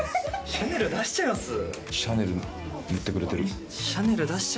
シャネル出しちゃいました。